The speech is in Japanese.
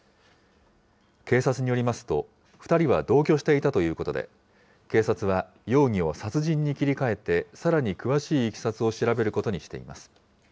警察によりますと、２人は同居していたということで、警察は、容疑を殺人に切り替えて、さらに詳しいいきさつを調べることにしています。